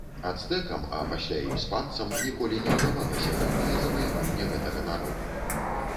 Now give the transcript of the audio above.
Ацтэкам, а пасля і іспанцам, ніколі не ўдавалася поўнае заваяванне гэтага народа.